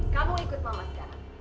kamu ikut mama sekarang